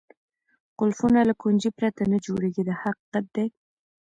قلفونه له کونجۍ پرته نه جوړېږي دا حقیقت دی.